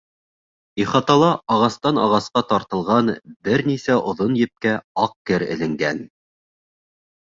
Ихатала ағастан ағасҡа тартылған бер нисә оҙон епкә аҡ кер эленгән.